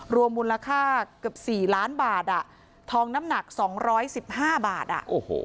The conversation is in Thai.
รวมมูลค่าเกือบ๔ล้านบาททองน้ำหนัก๒๑๕บาท